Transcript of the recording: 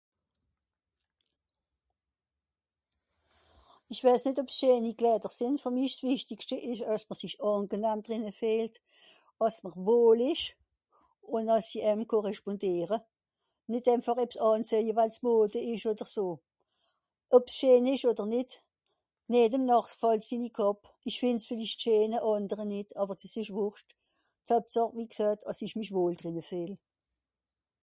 Ìch wèis nìt ob's scheeni Kleider sìnn, fer mich s'wichtigschte ìsch, àss mr sich àngenahm drìnne fìehlt, àss mr wohl ìsch, ùn àss sie èim korrespondìere. Nìt emfàch ebbs ànzéje, wìl es Mode ìsch odder so. Ob's scheen ìsch odder nìt, jedem Nàrr gfahlt sinni Kàpp. Ìch fìnd's vìllicht scheen, àndere nìt àwer dìs ìsch Wùrscht. D'Hoeptsàch, wie gsoet, àss ich mich wohl drìnne fìehl.